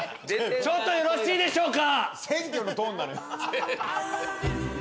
ちょっとよろしいでしょうか！